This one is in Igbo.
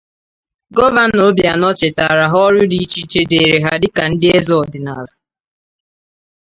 Gọvanọ Obianọ chètààrà ha ọrụ dị iche iche dịịrị ha dịka ndị eze ọdịnala